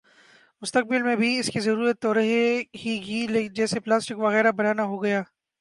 مستقبل میں بھی اس کی ضرورت تو رہے ہی گی جیسے پلاسٹک وغیرہ بنا نا ہوگیا